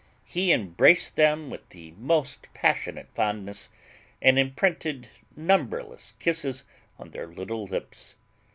He embraced them with the most passionate fondness, and imprinted numberless kisses on their little lips.